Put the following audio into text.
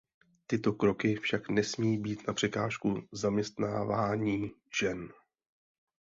Tyto kroky však nesmí být na překážku zaměstnávání žen.